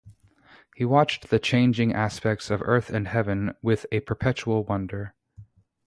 He watched the changing aspects of earth and heaven with a perpetual wonder.